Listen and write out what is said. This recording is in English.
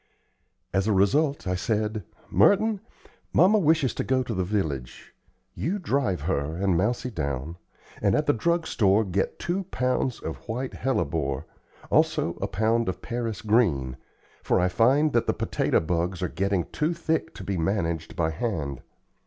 As a result, I said: "Merton, mamma wishes to go to the village. You drive her and Mousie down, and at the drug store get two pounds of white hellebore, also a pound of Paris green, for I find that the potato bugs are getting too thick to be managed by hand.